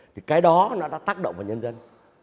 thì cái đó nó đã tác động vào nhân dân